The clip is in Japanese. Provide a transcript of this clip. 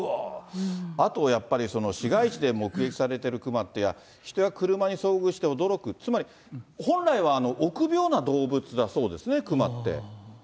あとやっぱり、市街地で目撃されているクマって、人や車に遭遇して驚く、つまり本来は臆病な動物だそうですね、クマって。